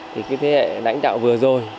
thì cái thế hệ lãnh đạo vừa rồi